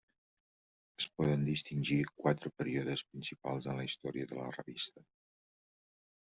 Es poden distingir quatre períodes principals en la història de la revista.